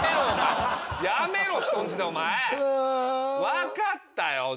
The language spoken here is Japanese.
分かったよ。